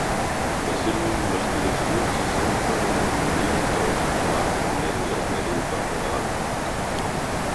La seva investigació se centra en el medi interestel·lar candent i el medi intergalàctic.